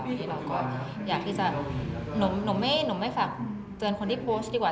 ทีนี้เราก็อยากที่จะหนูไม่ฝากเตือนคนที่โพสต์ดีกว่า